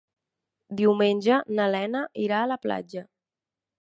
Diumenge na Lena irà a la platja.